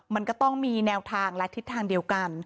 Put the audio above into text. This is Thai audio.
มันก็ต้องมีแนวทางและทิศทางเดียวกัน